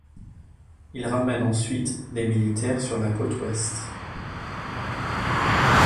Il ramène ensuite des militaires sur la côte Ouest.